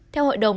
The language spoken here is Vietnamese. theo hội đồng